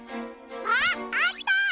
あっあった！